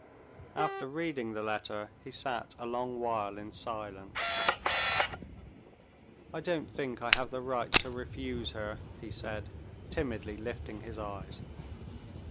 After reading the letter, he sat a long while in silence. "I don't think I have the right to refuse her," he said, timidly lifting his eyes.